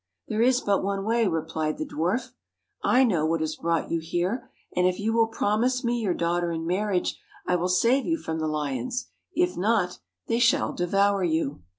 ' There is but one way,' replied the dwarf. ' I know what has brought you here; and if you will promise me your daughter in marriage, I will save you from the lions ; if not, they shall devour you.'